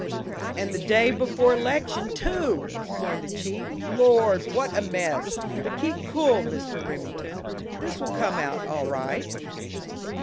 "And the day before election, too!" mourned the chief. "Lord, what a mess! But keep cool, Mr. Remington; this will come out all right!"